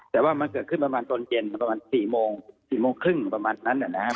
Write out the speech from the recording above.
แต่ว่ามันเกิดขึ้นประม่งตอนเย็นประมาณ๔๔๓๐ประมาณนั้นครับ